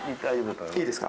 いいですか？